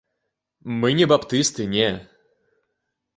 Мы не баптысты, не.